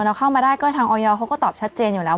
เราเข้ามาได้ก็ทางออยเขาก็ตอบชัดเจนอยู่แล้ว